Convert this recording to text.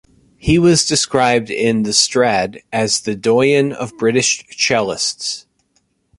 He was described in "The Strad" as the "doyen of British cellists".